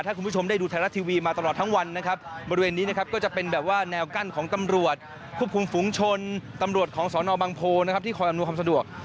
ถ้าคุณผู้ชมได้ดูไทยรัฐทีวีมาตลอดทั้งวันนะครับบริเวณนี้นะครับก็จะเป็นแบบว่าแนวกั้นของตำรวจควบคุมฝุงชนตำรวจของสอนอบังโพนะครับที่คอยอำนวยความสะดวก